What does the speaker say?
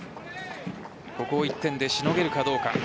ここを１点でしのげるかどうか。